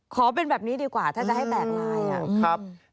ขอเป็นแบบนี้ดีกว่าถ้าจะให้แบกไลน์